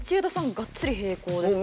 がっつり平行ですね。